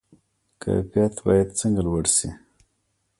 کیفیت باید څنګه لوړ شي؟